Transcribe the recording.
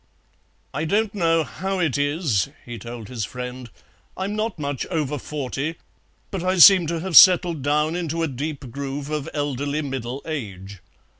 "I don't know how it is," he told his friend, "I'm not much over forty, but I seem to have settled down into a deep groove of elderly middle age.